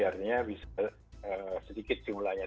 artinya bisa sedikit jumlahnya